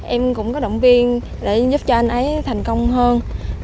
em cũng có động viên để giúp cho anh ấy thành công hơn